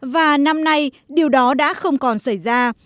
và năm nay điều đó đã không còn xảy ra